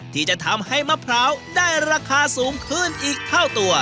ที่จะทำให้มะพร้าวได้ราคาสูงขึ้นอีกเท่าตัว